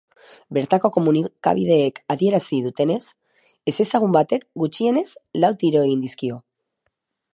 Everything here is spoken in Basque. Bertako komunikabideek adierazi dutenez, ezezagun batek gutxienez lau tiro egin dizkio.